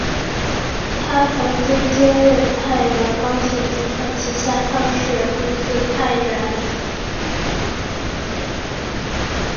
他也曾经兼任太原钢铁集团旗下上市公司山西太钢不锈钢股份有限公司董事长。